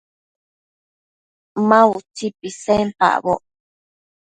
Ma utsi pisenpacboc